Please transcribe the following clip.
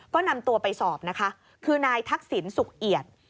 ก็นำตัวไปสอบนะคะคือนายทักษิณสุขเอียด